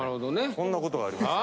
そんな事がありました。